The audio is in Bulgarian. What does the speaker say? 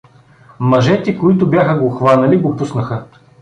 Мъжете, които бяха го хванали, го пуснаха.